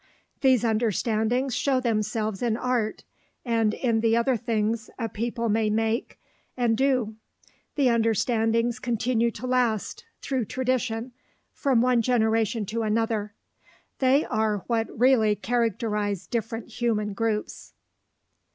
These understandings show themselves in art, and in the other things a people may make and do. The understandings continue to last, through tradition, from one generation to another. They are what really characterize different human groups.